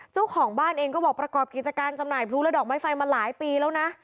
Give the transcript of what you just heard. เจ้าของบ้านเองก็บอกประกอบกิจการจำหน่ายพลุและดอกไม้ไฟมาหลายปีแล้วนะ